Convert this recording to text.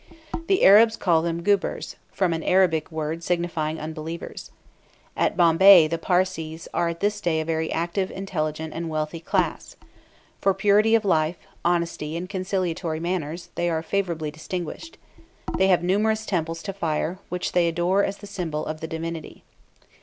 The Arabs call them Guebers, from an Arabic word signifying unbelievers. At Bombay the Parsees are at this day a very active, intelligent, and wealthy class. For purity of life, honesty, and conciliatory manners, they are favorably distinguished. They have numerous temples to Fire, which they adore as the symbol of the divinity.